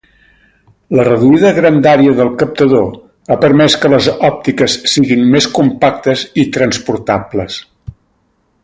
La reduïda grandària del captador ha permès que les òptiques siguin més compactes i transportables.